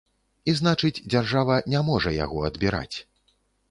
І значыць, дзяржава не можа яго адбіраць.